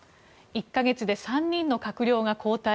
１か月で３人の閣僚が交代。